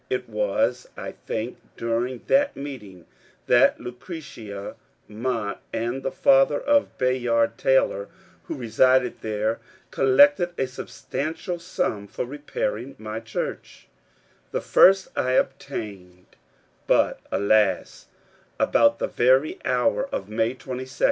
It was, I think, during that meeting that Lueretia Mott and the father of Bayard Taylor, who resided there, collected a substantial sum for repairing my church, — the first I obt^ined« But, alas, about the very hour of May 22 n.